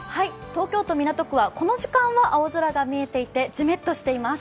東京都港区はこの時間は青空が見えていてじめっとしています。